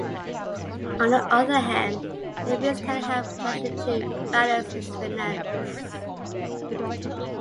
On the other hand, the fees can help a collection to balance its finances.